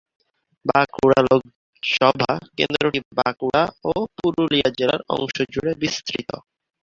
বাঁকুড়া লোকসভা কেন্দ্রটি বাঁকুড়া ও পুরুলিয়া জেলার অংশ জুড়ে বিস্তৃত।